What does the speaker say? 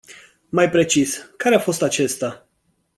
Mai precis, care a fost aceasta?